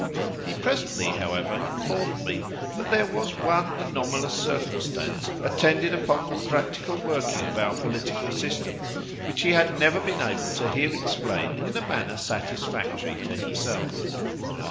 He presently, however, informed me that there was one anomalous circumstance attended upon the practical working of our political system which he had never been able to hear explained in a manner satisfactory to himself.